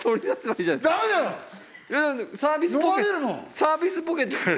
サービスポケットから。